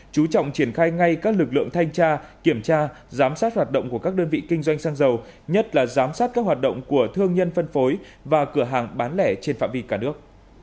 chú trọng triển khai ngay các lực lượng thanh tra kiểm tra giám sát hoạt động của các đơn vị kinh doanh xăng dầu nhất là giám sát các hoạt động của thương nhân phân phối và cửa hàng bán lẻ trên phạm vi cả nước